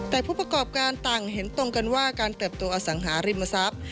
แต่ผู้ประกอบการต่างเห็นตรงกันว่าการเติบโตอสังหาริมทรัพย์